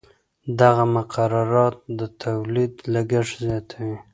دغه مقررات د تولید لګښت زیاتوي.